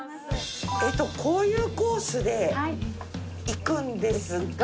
こういうコースで行くんですが。